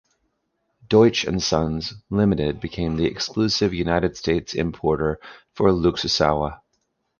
Deutsch and Sons, Limited became the exclusive United States importer for Luksusowa.